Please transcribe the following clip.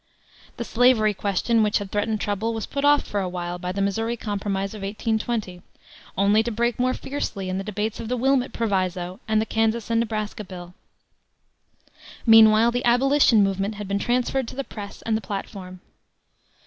The slavery question, which had threatened trouble, was put off for awhile by the Missouri Compromise of 1820, only to break out more fiercely in the debates on the Wilmot Proviso, and the Kansas and Nebraska Bill. Meanwhile the Abolition movement had been transferred to the press and the platform.